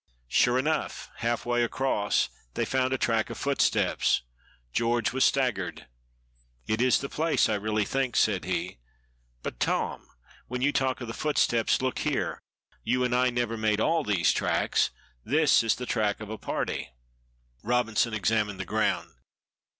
Sure enough, half way across they found a track of footsteps. George was staggered. "It is the place, I really think," said he. "But, Tom, when you talk of the footsteps, look here? You and I never made all these tracks. This is the track of a party." Robinson examined the ground.